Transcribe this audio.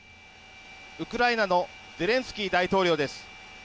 ウクライナのゼレンスキー大統領です。